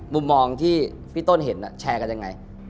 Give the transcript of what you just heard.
มุมมองที่พี่ต้นเห็นแชร์กันยังไง